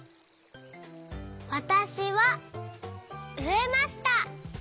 わたしはうえました。